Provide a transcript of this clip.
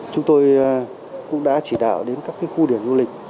chúng tôi cũng đã chỉ đạo đến các khu điểm du lịch